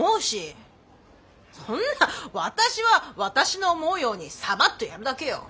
そんな私は私の思うようにサバっとやるだけよ！